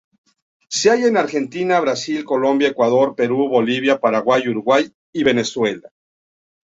Se halla en Argentina, Brasil, Colombia, Ecuador, Perú, Bolivia, Paraguay, Uruguay y Venezuela.